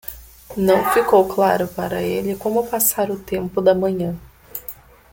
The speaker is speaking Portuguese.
Não ficou claro para ele como passar o tempo da manhã.